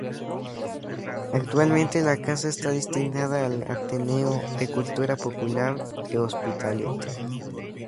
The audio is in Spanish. Actualmente la casa está destinada al Ateneo de Cultura Popular de Hospitalet.